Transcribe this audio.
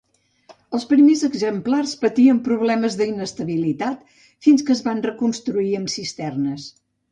Els primers exemplars patien problemes d'inestabilitat fins que es van reconstruir amb cisternes.